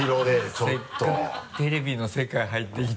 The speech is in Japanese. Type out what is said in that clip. せっかくテレビの世界入ってきて。